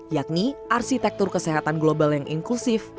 yakni arsitektur kesehatan global yang inklusif